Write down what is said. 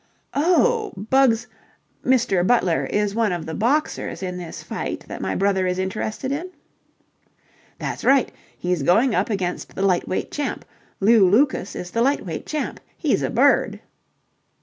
"Oh, Bugs Mr. Butler is one of the boxers in this fight that my brother is interested in?" "That's right. He's going up against the lightweight champ. Lew Lucas is the lightweight champ. He's a bird!"